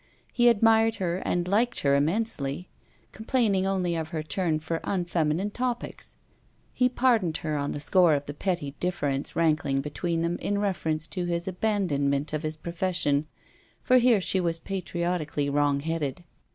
He admired her and liked her immensely; complaining only of her turn for unfeminine topics. He pardoned her on the score of the petty difference rankling between them in reference to his abandonment of his Profession, for here she was patriotically wrong headed.